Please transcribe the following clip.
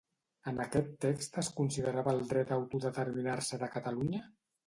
En aquest text es considerava el dret a autodeterminar-se de Catalunya?